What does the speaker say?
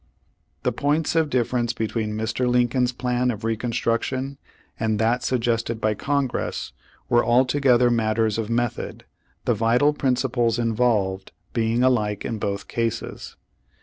The points of difference between Mr. Lin coln's plan of Reconstruction and that suggested by Congress were altogether matters of method, the vital principles involved being alike in both cases.